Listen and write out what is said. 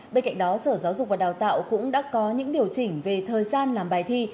bên cạnh đó sở giáo dục và đào tạo cũng đã có những điều chỉnh về thời gian làm bài thi